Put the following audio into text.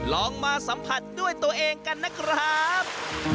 ลองมาสัมผัสด้วยตัวเองกันนะครับ